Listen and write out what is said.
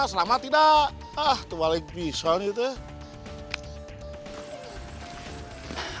ya ah tuh balik pisau nih tuh